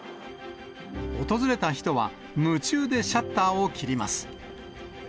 訪れた人は、夢中でシャッターを切ります。